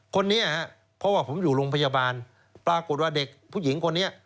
คนนี้ครับเพราะว่าผมอยู่โรงพยาบาลปรากฏว่าเด็กผู้หญิงคนนี้